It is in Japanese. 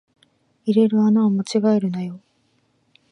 入れる穴を間違えるなよ